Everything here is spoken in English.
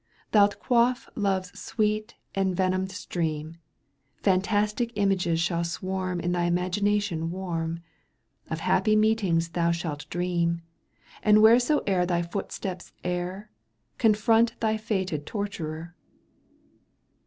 Thoult quaff love's sweet envenomed stream, Fantastic images shall swarm In thy imagination warm, Of happy meetings thou shalt dream, And wheresoe'er thy footsteps err. Confront thy fated torturer